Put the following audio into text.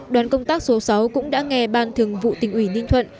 đoàn công tác số sáu cũng đã nghe ban thường vụ tỉnh ủy ninh thuận